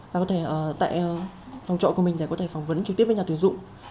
và có thể tại phòng trọ của mình để có thể phỏng vấn trực tiếp với nhà tuyển dụng